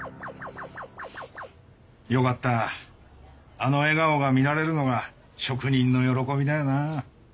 あの笑顔が見られるのが職人の喜びだよな。